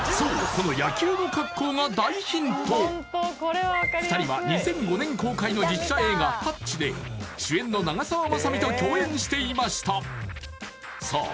この２人は２００５年公開の実写映画「タッチ」で主演の長澤まさみと共演していましたさあ